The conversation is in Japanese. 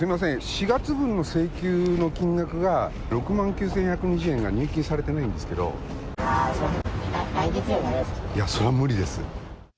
４月分の請求の金額が、６万９１２０円が入金されてないんですけあー、すみません、いや、それは無理です。